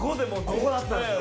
ここだったんですよ。